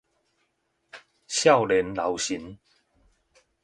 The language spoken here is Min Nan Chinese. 少年老成